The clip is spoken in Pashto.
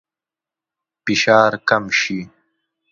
فشار کم شي.